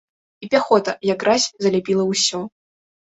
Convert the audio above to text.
І пяхота, як гразь, заляпіла ўсё.